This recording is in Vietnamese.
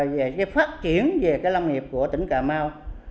về cái phát triển về cái lâm nghiệp của tỉnh cà mau